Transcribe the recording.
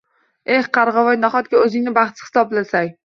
– Eh, Qarg‘avoy! Nahotki, o‘zingni baxtsiz hisoblasang